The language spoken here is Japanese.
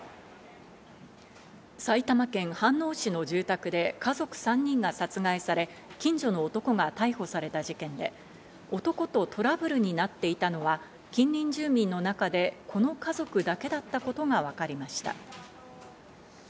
埼玉県飯能市の住宅で家族３人が殺害され、近所の男が逮捕された事件で、男とトラブルになっていたのは近隣住民の中でこの家族だけだったことがわかりました。